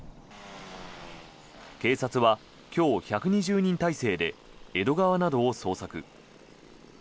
警察は今日、１２０人態勢で江戸川などを捜索。